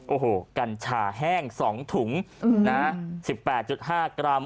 โอ้โหกัญชาแห้ง๒ถุง๑๘๕กรัม